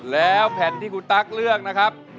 แล้วแผ่นที่คุณตั๊กเลือกนะครับ